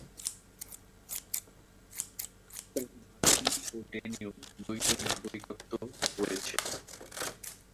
তার মার্কিন ও ডেনীয় দ্বৈত নাগরিকত্ব রয়েছে।